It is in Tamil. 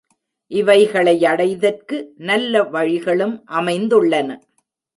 இவைகளை யடைதற்கு நல்ல வழிகளும் அமைந்துள்ளன.